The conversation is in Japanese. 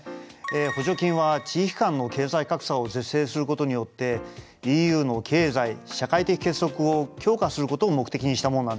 補助金は地域間の経済格差を是正することによってＥＵの経済・社会的結束を強化することを目的にしたものなんです。